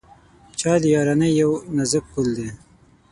چای د یارانۍ یو نازک پُل دی.